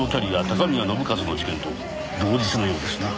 高宮信一の事件と同日のようですな。